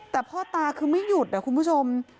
แต่พ่อตาคือไม่หยุดนะคุณผู้ชม